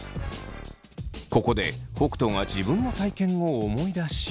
ここで北斗が自分の体験を思い出し。